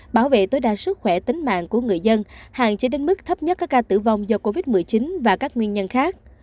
bảo vệ tối đa sức khỏe tính mạng của người dân hạn chế đến mức thấp nhất các ca tử vong do covid một mươi chín và các nguyên nhân khác